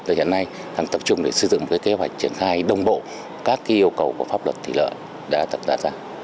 và hiện nay tập trung để sử dụng kế hoạch triển khai đồng bộ các yêu cầu của pháp luật thủy lợi đã đặt ra